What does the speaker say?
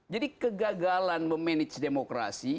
jadi kegagalan memanage demokrasi